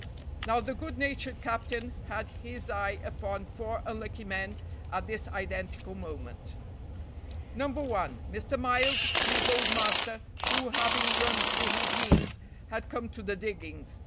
Now the good natured captain had his eye upon four unlucky men at this identical moment. No. 1, Mr. Miles, his old master, who, having run through his means, had come to the diggings.